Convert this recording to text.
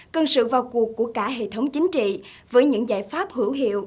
cần sự vào cuộc của cả hệ thống chính trị với những giải pháp hữu hiệu